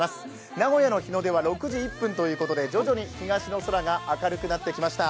名古屋の日の出は６時１分ということで、徐々に東の空が明るくなってきました。